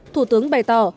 thủ tướng bày tỏ